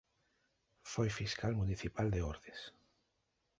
Foi fiscal municipal de Ordes.